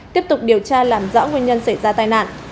tiếp tục điều tra làm rõ nguyên nhân xảy ra tai nạn